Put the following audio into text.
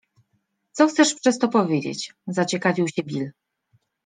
- Co chcesz przez to powiedzieć? - zaciekawił się Bill.